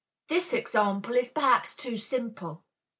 This example is perhaps too simple.